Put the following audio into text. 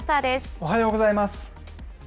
おはようございます。